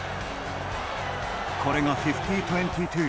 これが５０：２２。